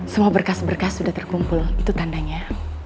semua berkas berkas sudah terkumpul itu tandanya